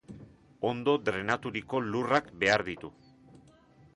Ondo drenaturiko lurrak behar ditu.